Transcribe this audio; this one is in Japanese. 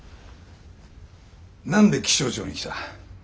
何で気象庁に来た？